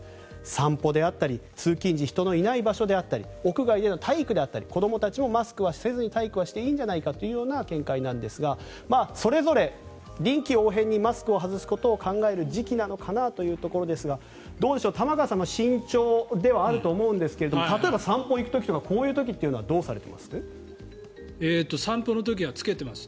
散歩であったり通勤時人のいない場所であったり屋外での体育であったり子どもたちもマスクはせずに体育はしていいんじゃないかという見解なんですがそれぞれ、臨機応変にマスクを外すことを考える時期なのかなというところですがどうでしょう、玉川さんも慎重ではあると思いますが例えば散歩に行く時とかこういう時というのは散歩の時は着けてます。